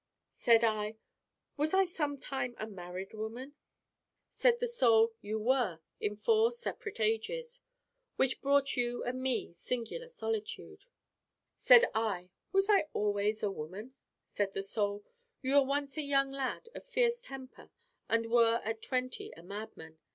Said I: 'Was I sometime a married woman?' Said the Soul: 'You were in four separate ages. Which brought you and me singular solitude.' Said I: 'Was I always woman?' Said the Soul: 'You were once a young lad of fierce temper and were at twenty a madman.